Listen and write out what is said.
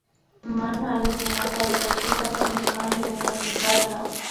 Mana allikunata rurakpika tsinishpami wiñachinkarka